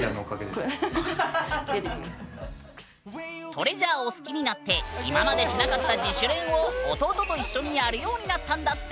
ＴＲＥＡＳＵＲＥを好きになって今までしなかった自主練を弟と一緒にやるようになったんだって！